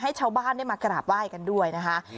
ให้ชาวบ้านได้มากราบไหว้กันด้วยนะคะ